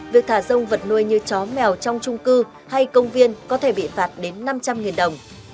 việc thả rông vật nuôi như chó mèo trong trung cư hay công viên có thể bị phạt đến năm trăm linh đồng